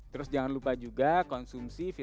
terus jangan lupa juga konsumsi vitamin a